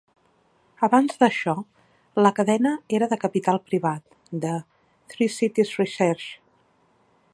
Abans d'això, la cadena era de capital privat de Three Cities Research.